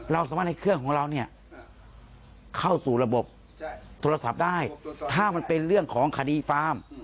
เราสามารถให้เครื่องของเราเนี่ยเข้าสู่ระบบโทรศัพท์ได้ถ้ามันเป็นเรื่องของคดีฟาร์ม